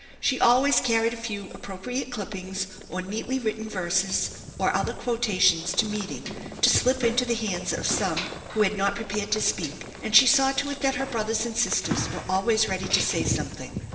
She always carried a few appropriate clippings or neatly written verses or other quota tions to meeting to slip into the hands of some who had not prepared to speak, and she saw to it that her brothers and sisters were always ready to say something.